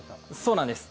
そうなんです。